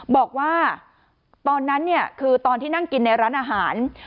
บอกว่าตอนนั้นเนี่ยคือตอนที่นั่งกินในร้านอาหาร